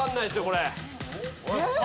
これ。